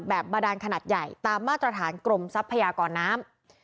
บาดานขนาดใหญ่ตามมาตรฐานกรมทรัพยากรน้ำ